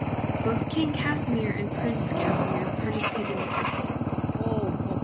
Both King Casimir and Prince Casimir participated in the campaign.